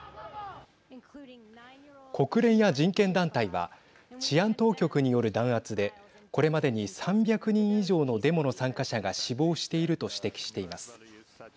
国連や人権団体は治安当局による弾圧でこれまでに３００人以上のデモの参加者が死亡していると指摘しています。